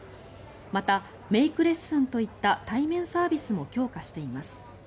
また、メイクレッスンといった対面サービスも強化しています。